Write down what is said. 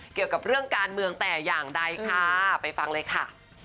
เกี่ยวกับเรื่องการเมืองแต่อย่างใดค่ะไปฟังเลยค่ะ